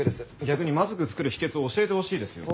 逆にまずく作る秘訣を教えてほしいですよ。